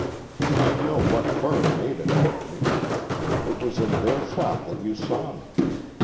I know what firm made it for me. It was in their shop that you saw me.